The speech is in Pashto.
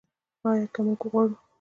آیا که موږ وغواړو؟